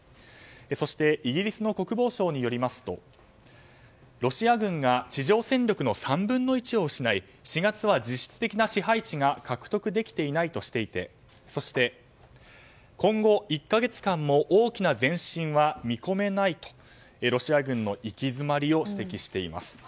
そしてイギリスの国防省によりますとロシア軍が地上戦力の３分の１を失い４月は実質的な支配地が獲得できていないとしていてそして、今後１か月間も大きな前進は見込めないとロシア軍の行き詰まりを指摘しています。